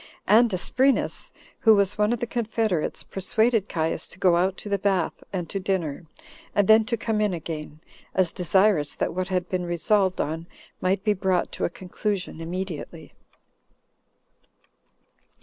And Asprenas, who was one of the confederates, persuaded Caius to go out to the bath, and to dinner, and then to come in again, as desirous that what had been resolved on might be brought to a conclusion immediately.